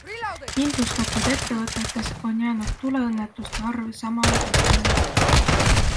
Kindlustatud ettevõtetes on jäänud tuleõnnetuste arv samale tasemele.